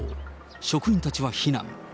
職員たちは避難。